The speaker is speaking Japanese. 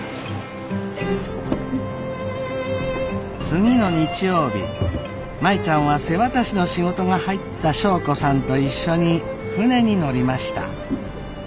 次の日曜日舞ちゃんは瀬渡しの仕事が入った祥子さんと一緒に船に乗りました。